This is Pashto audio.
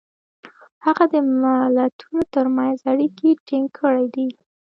هغه د ملتونو ترمنځ اړیکې ټینګ کړي دي.